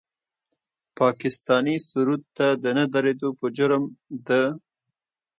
پاکستاني سرود ته د نه درېدو په جرم د